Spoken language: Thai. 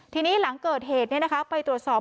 ทีนี้หลังเกิดเหตุไปตรวจสอบ